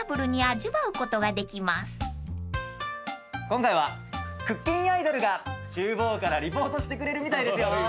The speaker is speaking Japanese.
今回はクッキンアイドルが厨房からリポートしてくれるみたいですよ。